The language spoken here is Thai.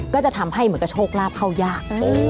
ก็จะทำให้เหมือนกับโชคลาภเข้ายาก